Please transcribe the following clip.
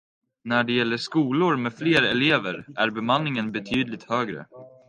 När det gäller skolor med fler elever är bemanningen betydligt högre.